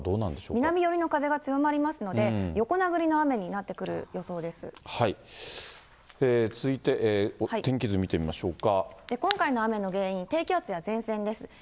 南寄りの風が強まりますので、横殴りの雨になってく続いて、今回の雨の原因、低気圧や前線です。